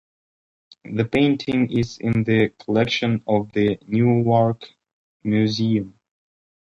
The painting is in the collection of the Newark Museum.